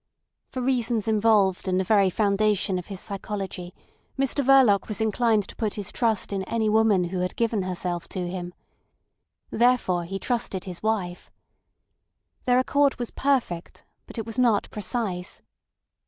For reasons involved in the very foundation of his psychology, Mr Verloc was inclined to put his trust in any woman who had given herself to him. Therefore he trusted his wife. Their accord was perfect, but it was not precise.